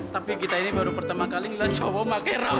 tapi kita ini baru pertama kali ngelihat cowok pakai raut